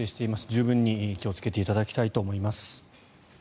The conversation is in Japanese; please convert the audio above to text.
十分に気をつけていただきたいと思います。